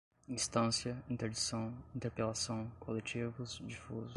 instância, interdição, interpelação, coletivos, difusos